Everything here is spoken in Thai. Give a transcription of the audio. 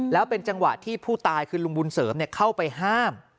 แล้วเป็นจังหวะที่ผู้ตายคือลุงบุญเสริมเข้าไปห้าม